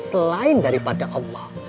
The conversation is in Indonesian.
selain daripada allah